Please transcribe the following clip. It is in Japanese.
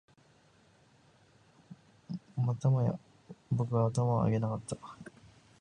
またもや僕は頭を上げなかった